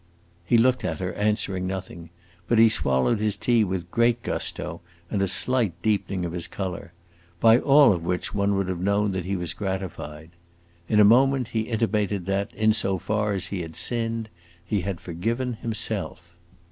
He looked at her, answering nothing; but he swallowed his tea with great gusto, and a slight deepening of his color; by all of which one would have known that he was gratified. In a moment he intimated that, in so far as he had sinned, he had forgiven himself.